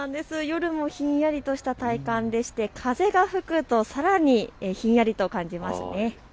夜もひんやりとした体感で風が吹くとさらにひんやりと感じます。